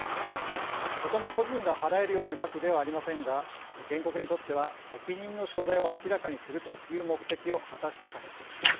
とても個人が払えるような額ではありませんが原告にとっては責任の所在を明らかにするという目的を果たした形です。